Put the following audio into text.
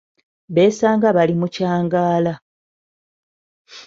Beesanga bali mu kyangaala.